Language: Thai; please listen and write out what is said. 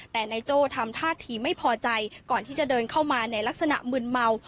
แต่นายโจ้ทำท่าทีไม่พอใจก่อนที่จะเดินเข้ามาในลักษณะมึนเมา